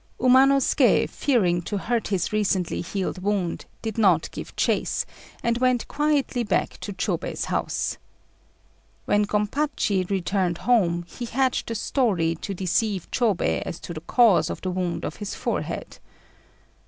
Umanosuké, fearing to hurt his recently healed wound, did not give chase, and went quietly back to Chôbei's house. When Gompachi returned home, he hatched a story to deceive Chôbei as to the cause of the wound on his forehead.